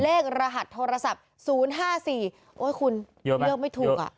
เลขรหัสโทรศัพท์ศูนย์ห้าสี่โอ้ยคุณเลือกไม่ถูกอ่ะ